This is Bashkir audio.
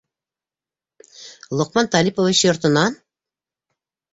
Лоҡман Талипович йортонан?!